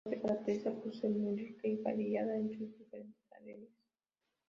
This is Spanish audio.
La Flora se caracteriza por ser muy rica y variada en sus diferentes áreas.